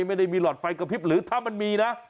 ไม่ได้มีหลอดไฟกระพริบหรือถ้ามันมีนะ